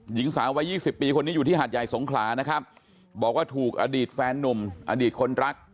หญิงสาววัย๒๐ปีคนนี้อยู่ที่หาดใหญ่สงขลานะครับบอกว่าถูกอดีตแฟนนุ่มอดีตคนรัก